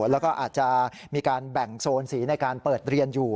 แล้วก็อาจจะมีการแบ่งโซนสีในการเปิดเรียนอยู่